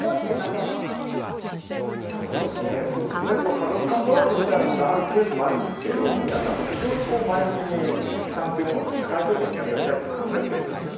家族間トラブルみたいなものがあるケースもあるんですけれども皆さん非常に前向きに遺産というものを社会貢献に役立てたいと考えているんですね。